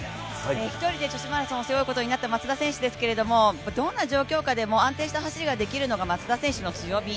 １人で女子マラソンを背負うことになった松田選手ですけど、どんな状況下でも安定した走りができるのが松田選手の強み。